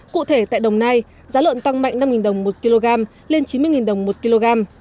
cụ thể tại đồng nai giá lợn tăng mạnh năm đồng một kg lên chín mươi đồng một kg